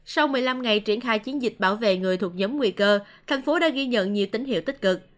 sau một mươi năm ngày triển khai chiến dịch bảo vệ người thuộc nhóm nguy cơ tp hcm đã ghi nhận nhiều tín hiệu tích cực